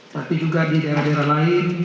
tapi juga di daerah daerah lain